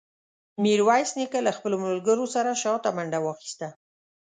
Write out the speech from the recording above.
میرویس نیکه له خپلو ملګرو سره شاته منډه واخیسته.